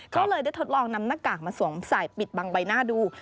ก็เลยได้ทดลองนำหน้ากากมาสวมใส่ปิดบังใบหน้าดู